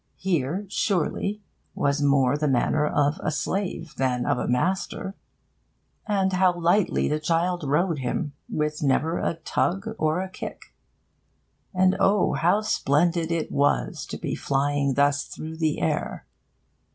Here, surely, was more the manner of a slave than of a master. And how lightly the child rode him, with never a tug or a kick! And oh, how splendid it was to be flying thus through the air!